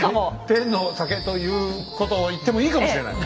天の酒ということを言ってもいいかもしれない。